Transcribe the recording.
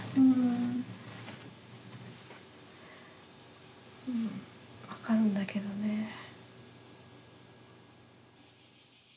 うん分かるんだけどねえ。